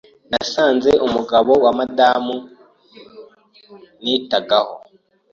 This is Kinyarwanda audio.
nasanze umugabo wa wa mudamu nitagaho